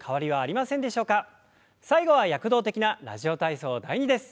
最後は躍動的な「ラジオ体操第２」です。